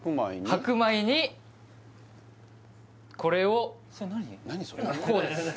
白米にこれをこうです何？